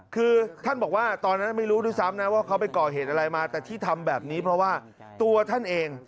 คือท่านบอกว่าตอนนั้นไม่รู้ด้วยซ้ำนะว่าเขาไปก่อเหตุอะไรมาแต่ที่ทำแบบนี้เพราะว่าตัวท่านเอง